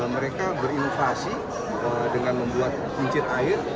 mereka berinovasi dengan membuat kunci air